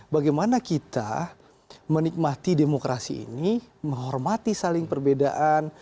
bagaimana kita menikmati demokrasi ini menghormati saling perbedaan